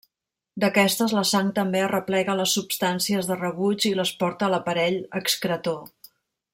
D'aquestes, la sang també arreplega les substàncies de rebuig i les porta a l'aparell excretor.